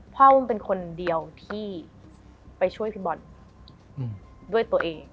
อุ้มเป็นคนเดียวที่ไปช่วยพี่บอลด้วยตัวเอง